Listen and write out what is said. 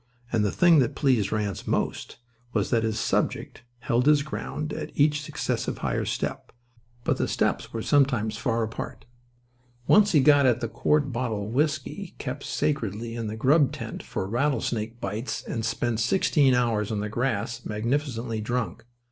And the thing that pleased Ranse most was that his "subject" held his ground at each successive higher step. But the steps were sometimes far apart. Once he got at the quart bottle of whisky kept sacredly in the grub tent for rattlesnake bites, and spent sixteen hours on the grass, magnificently drunk.